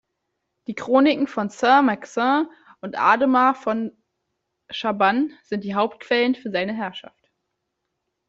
Die Chronik von Saint-Maixent und Ademar von Chabannes sind die Hauptquellen für seine Herrschaft.